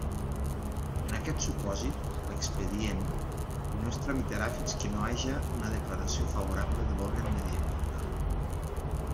En aquest supòsit, l'expedient no es tramitarà fins que hi haja una declaració favorable de l'òrgan mediambiental.